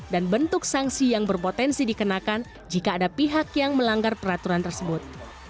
dan bentuk sanksi yang berpotensi dikenakan jika ada pihak yang melanggar peraturan tersebut